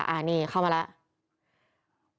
อันนี้เข้ามาแล้ว